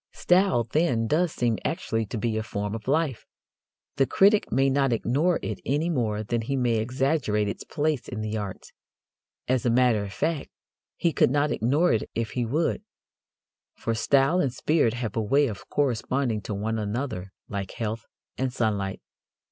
Style, then, does seem actually to be a form of life. The critic may not ignore it any more than he may exaggerate its place in the arts. As a matter of fact, he could not ignore it if he would, for style and spirit have a way of corresponding to one another like health and sunlight.